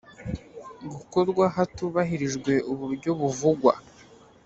Gukorwa hatubahirijwe uburyo buvugwa